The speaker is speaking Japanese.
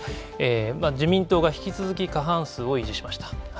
自民党が引き続き過半数を維持しました。